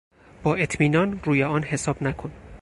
با اطمینان روی آن حساب نکن.